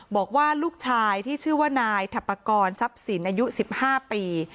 บอกว่าลูกชายที่ชื่อว่านายถัปกรณ์ทรัพย์สินอายุ๑๕ปี